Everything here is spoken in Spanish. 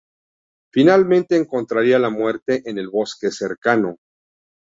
Finalmente encontraría la muerte en el bosque cercano.